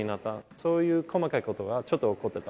そういう細かいことは、ちょっと怒ってた。